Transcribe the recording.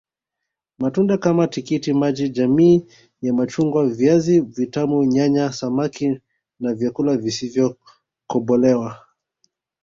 Matunda kama tikiti maji jamii ya machungwa viazi vitamu nyanya samaki na vyakula visivyokobolewa